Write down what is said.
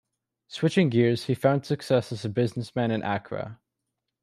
Switching gears, he found success as a businessman in Accra.